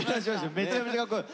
めちゃくちゃかっこいい。